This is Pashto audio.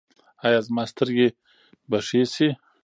ایا زما سترګې به ښې شي؟